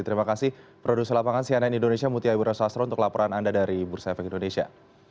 terima kasih produser lapangan cnn indonesia mutia ibu resastro untuk laporan anda dari bursa efek indonesia